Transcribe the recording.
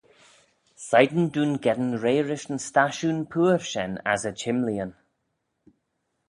Shegin dooin geddyn rey rish yn stashoon pooar shen as e çhimleeyn.